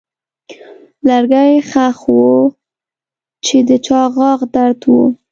لرګی ښخ و چې د چا غاښ درد و.